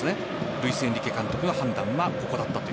ルイスエンリケ監督の判断がここだったと。